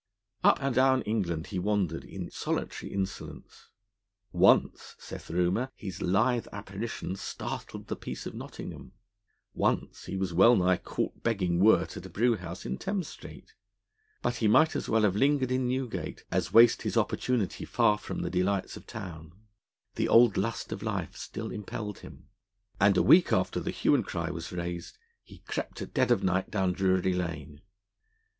Up and down England he wandered in solitary insolence. Once, saith rumour, his lithe apparition startled the peace of Nottingham; once, he was wellnigh caught begging wort at a brew house in Thames Street. But he might as well have lingered in Newgate as waste his opportunity far from the delights of Town; the old lust of life still impelled him, and a week after the hue and cry was raised he crept at dead of night down Drury Lane.